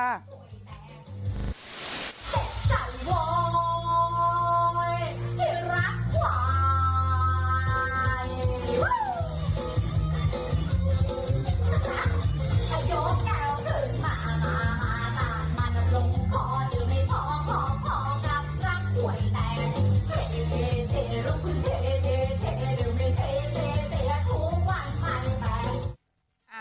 เท่ดูไม่เท่เท่ทุกวันหมาย